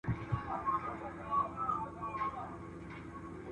علم د معاصرو دینونو سره هم یو تعامل ته اړتیا لري.